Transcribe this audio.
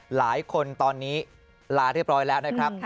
หลายคนตอนนี้ลาเรียบร้อยแล้วนะครับ